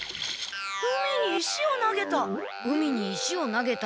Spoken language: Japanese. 海に石を投げた。